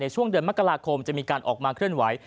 ช่วงเดือนมกราคมจะมีการออกมาเคลื่อนไหว